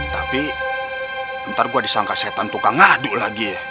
tapi ntar gua disangka setan tukang ngaduk lagi ya